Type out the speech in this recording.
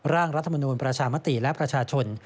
ร่างรัฐมนูลประชามติและประชาชน